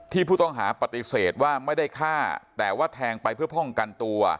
ผู้ต้องหาปฏิเสธว่าไม่ได้ฆ่าแต่ว่าแทงไปเพื่อป้องกันตัว